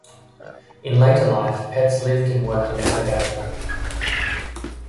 In later life Petts lived and worked in Abergavenny.